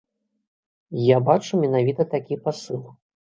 Я бачу менавіта такі пасыл.